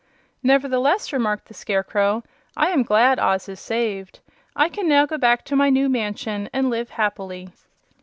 "Nevertheless," remarked the Scarecrow, "I am glad Oz is saved. I can now go back to my new mansion and live happily."